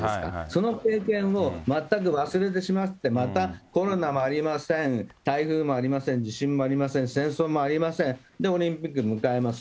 その経験を全く忘れてしまって、またコロナもありません、台風もありません、地震もありません、戦争もありません、で、オリンピックを迎えます。